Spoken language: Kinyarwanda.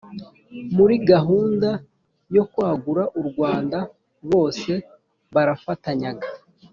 Muri gahunda yo kwagura u Rwanda bose barafatanyaga,